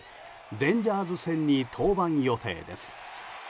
レンジャーズ戦に登板予定です。